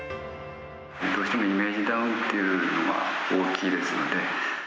どうしてもイメージダウンっていうのは大きいですので。